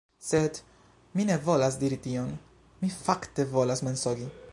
Sed... mi ne volas diri tion. Mi fakte volas mensogi.